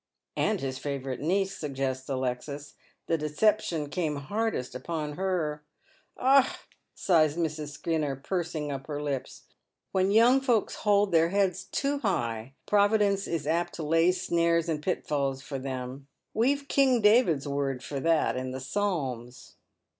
"And his favourite niece," suggests Alexis. "The deception came hardest upon her." " Ah !" sighs Mrs. Skinner, pursing up her lips. " When young' folks hold their heads too high, Providence is apt to lay snares and pitlalls for them. We've king David's word for that in the Psalms."